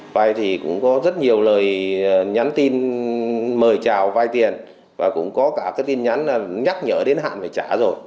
vay thì cũng có rất nhiều lời nhắn tin mời chào vay tiền và cũng có cả cái tin nhắn là nhắc nhở đến hạn phải trả rồi